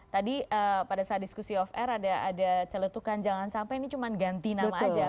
tadi pada saat diskusi off air ada celetukan jangan sampai ini cuma ganti nama aja